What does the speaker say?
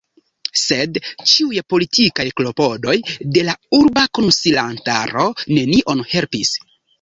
Sed ĉiuj politikaj klopodoj de la urba konsilantaro nenion helpis.